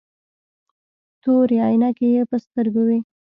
تورې عينکې يې په سترګو وې.